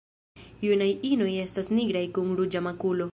Junaj inoj estas nigraj kun ruĝa makulo.